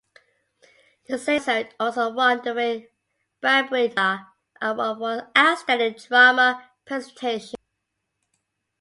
The same episode also won the Ray Bradbury Nebula Award for Outstanding Drama Presentation.